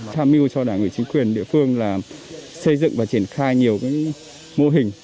tham mưu cho đảng ủy chính quyền địa phương là xây dựng và triển khai nhiều mô hình